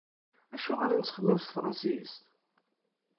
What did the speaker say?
Acuɣer i nettxemmim s tefransist?